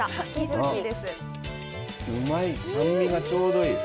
酸味がちょうどいい。